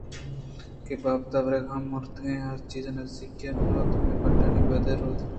کہ بابت ءِ وَرَگ ءَ ممّ مُرتگیں ہچ چیزے نزّیک ءَ نہ رئوت) ہمے بٹاک جنیانی وہد ءَ یک روباہے چمدا گوٛزگ ءَ اَت